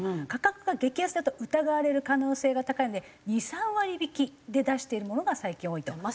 価格が激安だと疑われる可能性が高いので２３割引きで出しているものが最近多いと。